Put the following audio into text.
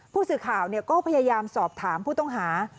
ผู้สื่อข่าวก็พยายามสอบถามผู้ต้องหา